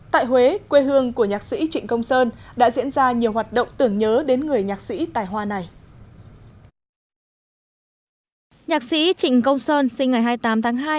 tại huế quê hương của nhạc sĩ trịnh công sơn đã diễn ra nhiều hoạt động tưởng nhớ đến người nhạc sĩ tài hoa này